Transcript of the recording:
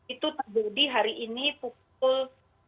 itu terjadi hari ini pukul